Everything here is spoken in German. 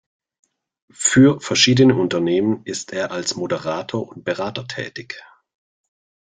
Für verschiedene Unternehmen ist er als Moderator und Berater tätig.